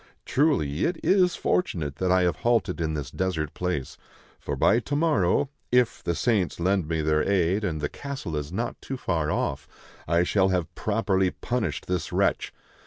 Truly, it is fortunate that I have halted in this desert place ; for by to morrow — if the saints lend me their aid and the castle is not too far off — I shall have properly punished this wretch.